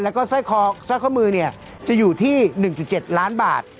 แล้วก็ส้อยคอส้อยข้อมือเนี่ยจะอยู่ที่หนึ่งจุดเจ็ดล้านบาท